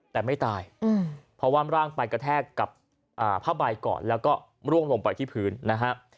แต่ไม่ตายเพราะว่าร่างไปกระแทกกับผ้าใบก่อนแล้วก็ร่วงลงไปที่พื้นนะฮะ